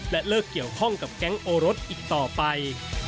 และเลิกเกี่ยวข้องกับแก๊งโอรสอีกต่อไป